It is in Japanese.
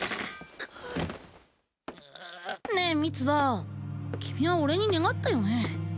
ねえミツバ君は俺に願ったよね